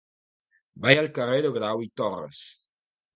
Vaig al carrer de Grau i Torras.